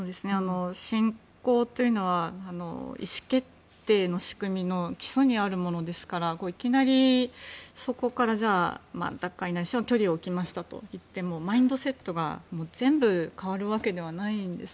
信仰というのは意思決定の仕組みの基礎にあるものですからいきなり、そこから脱会ないしは距離を置くとしてもマインドセットが全部変わるわけではないんです。